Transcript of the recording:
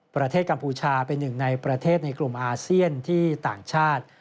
กัมพูชาเป็นหนึ่งในประเทศในกลุ่มอาเซียนที่ต่างชาติ